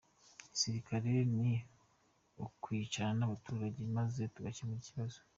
Igisigaye ni ukwicarana n’abaturage maze tugakemura ikibazo”.